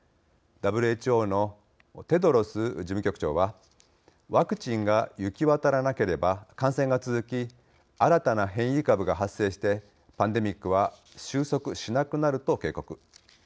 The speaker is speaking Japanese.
ＷＨＯのテドロス事務局長は「ワクチンが行き渡らなければ感染が続き新たな変異株が発生してパンデミックは収束しなくなる」と警告。